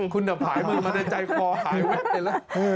คุณหนับหายมือมาในใจคอหายเป็น